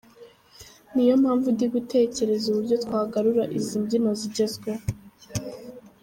Ni yo mpamvu ndi gutekereza uburyo twagarura izi mbyino zigezweho”.